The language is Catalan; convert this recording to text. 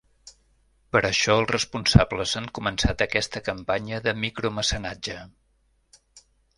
Per això els responsables han començat aquesta campanya de micromecenatge.